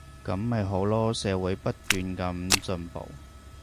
噉咪好囉，社會不斷噉進步